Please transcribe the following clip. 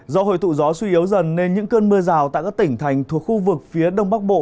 do hội tụ gió suy yếu dần nên những cơn mưa rào tại các tỉnh thành thuộc khu vực phía đông bắc bộ